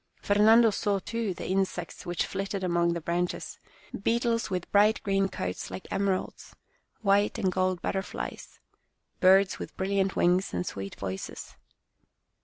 Fer nando saw, too, the insects which flitted among the branches, beetles with bright green coats like emeralds, white and gold butterflies, birds with brilliant wings and sweet voices.